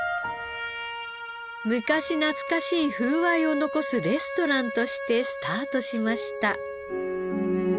昔懐かしい風合いを残すレストランとしてスタートしました。